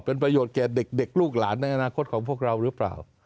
เป็นประโยชน์แก่เด็กลูกหลานในอนาคตของพวกเราหรือเปล่า